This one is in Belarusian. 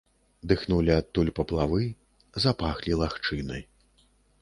Дыхнулі адтуль паплавы, запахлі лагчыны.